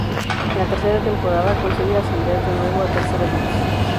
En la tercera temporada consigue ascender de nuevo a tercera división.